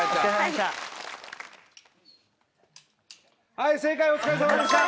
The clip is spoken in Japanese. はい正解お疲れさまでした。